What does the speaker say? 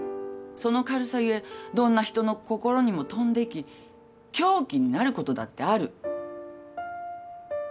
その軽さ故どんな人の心にも飛んでいき凶器になることだってある。